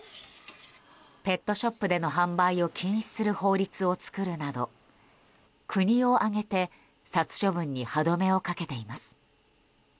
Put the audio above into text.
ペットショップでの販売を禁止する法律を作るなど国を挙げて殺処分に歯止めをかけています。